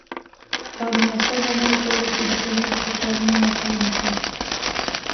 تعلیم یافته میرمنې کولی سي د ټولنیز فشارونو مخه ونیسي.